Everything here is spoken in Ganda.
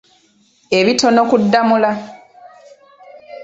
Ebitono ku Ddamula.